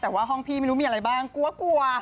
แต่ว่าห้องพี่ไม่รู้มีอะไรบ้างกลัวกลัว